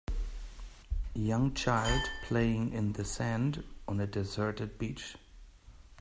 Young child playing in the sand, on a deserted beach.